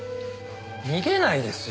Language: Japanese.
逃げないですよ。